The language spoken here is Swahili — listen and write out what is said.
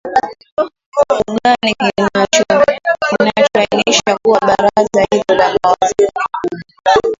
u gani kinachoainisha kuwa baraza hilo la mawaziri ni kubwa